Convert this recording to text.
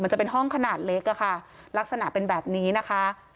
จะเป็นห้องขนาดเล็กอะค่ะลักษณะเป็นแบบนี้นะคะ